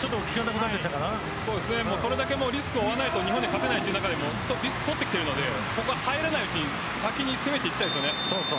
それだけリスクを負わないと日本に勝てない中でリスクを取ってきているのでここは入らないうちに攻めていきたいですね。